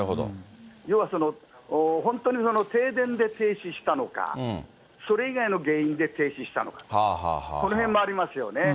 要は本当に停電で停止したのか、それ以外の原因で停止したのか、このへんもありますよね。